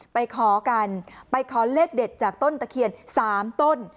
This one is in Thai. ขอกันไปขอเลขเด็ดจากต้นตะเคียน๓ต้น